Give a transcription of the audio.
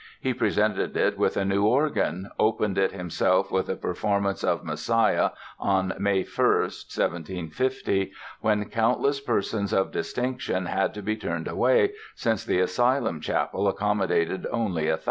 He presented it with a new organ, opened it himself with a performance of "Messiah" on May 1, 1750, when countless persons of distinction had to be turned away since the Asylum chapel accommodated only 1,000.